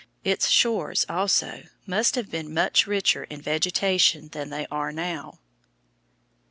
Its shores, also, must have been much richer in vegetation than they are now.